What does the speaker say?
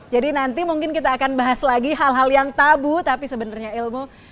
jadi nanti mungkin kita akan bahas lagi hal hal yang tabu tapi sebenarnya ilmu